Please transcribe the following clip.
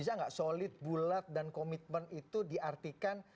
bisa nggak solid bulat dan komitmen itu diartikan